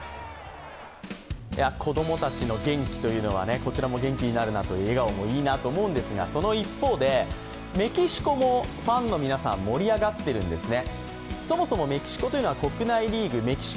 子供たちの元気というのはこちらも元気になるなと笑顔もいいなと思うんですがその一方でメキシコもファンの皆さん盛り上がってるんですね。